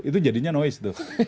itu jadinya noise tuh